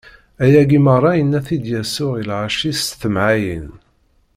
Ayagi meṛṛa, inna-t-id Yasuɛ i lɣaci s temɛayin.